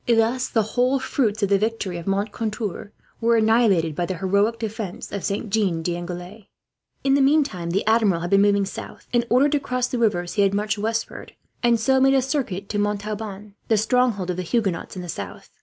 Thus the whole fruits of the victory of Moncontour were annihilated by the heroic defence of Saint Jean d'Angely. In the meantime, the Admiral had been moving south. In order to cross the rivers he had marched westward, and so made a circuit to Montauban, the stronghold of the Huguenots in the south.